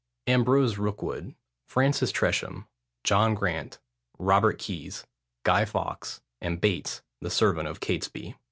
Ambrose Rookwood, Francis Tresham, John Grant, Robert Keys, Guy Fawkes, And Bates, the servant of Catesby.